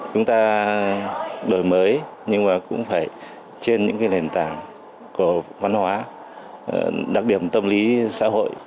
chúng ta đổi mới nhưng mà cũng phải trên những nền tảng của văn hóa đặc điểm tâm lý xã hội